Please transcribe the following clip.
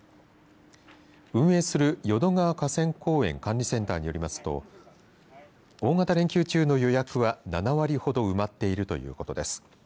運営する淀川河川公園管理センターによりますと大型連休中の予約は７割ほど埋まっているということです。